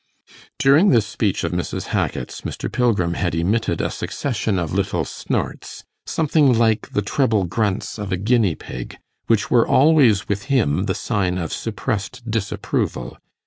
During this speech of Mrs. Hackit's, Mr. Pilgrim had emitted a succession of little snorts, something like the treble grunts of a guinea pig, which were always with him the sign of suppressed disapproval.